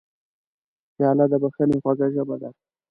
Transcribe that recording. پیاله د بښنې خوږه ژبه ده.